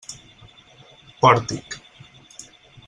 Pòrtic.